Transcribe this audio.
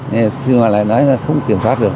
nhưng mà lại nói là không kiểm soát được